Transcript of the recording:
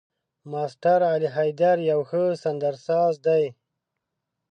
ماسټر علي حيدر يو ښه سندرساز دی.